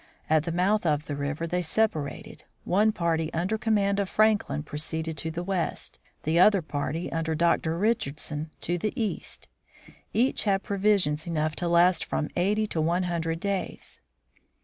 At the mouth of the river they separated ; one party under command of Franklin proceeded to the west, the other party under Dr. Richardson, to the east. Each had provisions enough to last from eighty to one hundred days.